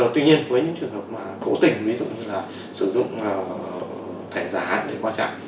tuy nhiên với những trường hợp mà vô tình ví dụ như là sử dụng thẻ giả hạn để qua trạng